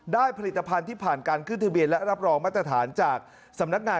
ผลิตภัณฑ์ที่ผ่านการขึ้นทะเบียนและรับรองมาตรฐานจากสำนักงาน